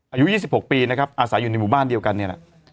อายุ๒๖ปีนะครับอาศัยอยู่ในหมู่บ้านเดียวกันนี่แหละ